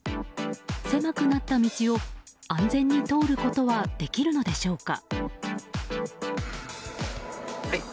狭くなった道を安全に通ることはできるのでしょうか。